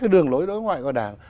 đường lối đối ngoại của đảng